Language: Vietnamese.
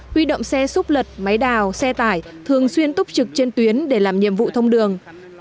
huy động xe xúc lật máy đào xe tải thường xuyên túc trực trên tuyến để làm nhiệm vụ thông đường